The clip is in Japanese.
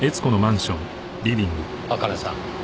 茜さん。